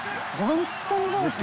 「ホントにそうですね」